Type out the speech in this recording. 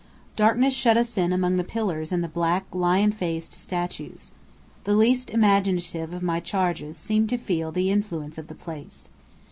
Darkness shut us in among the pillars and the black, lion faced statues. The least imaginative of my charges seemed to feel the influence of the place.